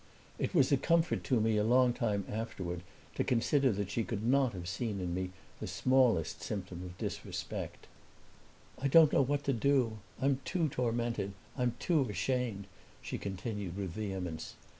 It was a comfort to me a long time afterward to consider that she could not have seen in me the smallest symptom of disrespect. "I don't know what to do; I'm too tormented, I'm too ashamed!" she continued with vehemence.